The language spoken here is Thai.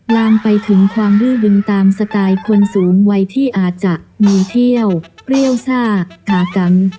ลามไปถึงความดื้อดึงตามสไตล์คนสูงวัยที่อาจจะมีเที่ยวเปรี้ยวซ่าขากัน